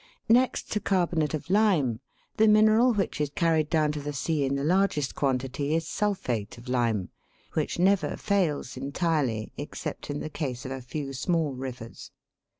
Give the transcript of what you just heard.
Next to carbonate of lime, the mineral which is carried down to the sea in the largest quantity is sulphate of lime, which never fails entirely except in the case of a few small rivers.